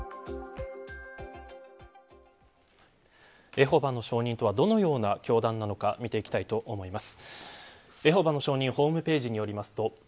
エホバの証人とはどのような教団なのか見ていきたいと思います。